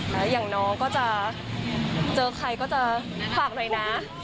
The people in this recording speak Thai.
แล้วอย่างน้องก็จะเจอใครก็จะฝากหน่อยนะ